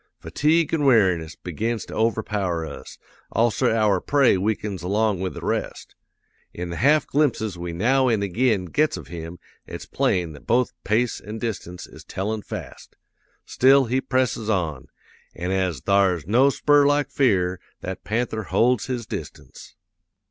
Fatigue an' weariness begins to overpower us; also our prey weakens along with the rest. In the half glimpses we now an' ag'in gets of him it's plain that both pace an' distance is tellin' fast. Still, he presses on; an' as thar's no spur like fear, that panther holds his distance.